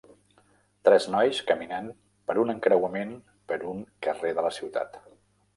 Tres nois caminant per un encreuament per un carrer de la ciutat.